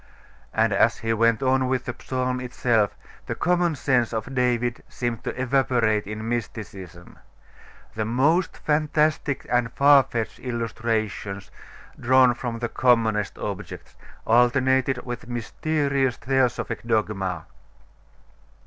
And as he went on with the psalm itself, the common sense of David seemed to evaporate in mysticism. The most fantastic and far fetched illustrations, drawn from the commonest objects, alternated with mysterious theosophic dogma.